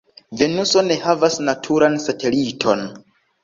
Venuso ne havas naturan sateliton.